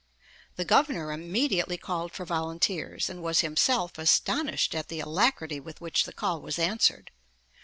The Governor immediately called for volunteers, and was himself astonished at the alacrity with which the call was answered.